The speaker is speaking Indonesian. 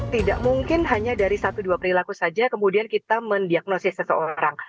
tidak mungkin hanya dari satu dua perilaku saja kemudian kita mendiagnosis seseorang